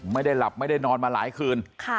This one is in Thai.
ไม่ได้หลับไม่ได้นอนมาหลายคืน